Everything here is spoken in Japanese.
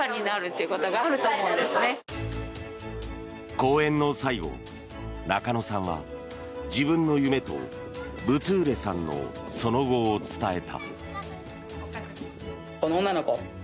講演の最後、中野さんは自分の夢とブトゥーレさんのその後を伝えた。